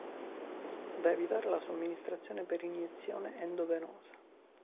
Da evitare la somministrazione per iniezione endovenosa.